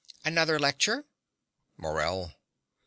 Another lecture? MORELL.